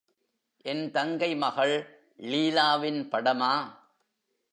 என் தங்கை மகள் லீலாவின் படமா?